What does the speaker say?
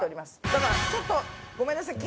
だからちょっとごめんなさい。